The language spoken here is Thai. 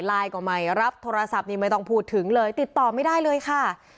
ก็ไม่รับโทรศัพท์นี่ไม่ต้องพูดถึงเลยติดต่อไม่ได้เลยค่ะ